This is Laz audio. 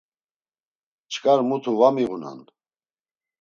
Çkar mutu va miğunan.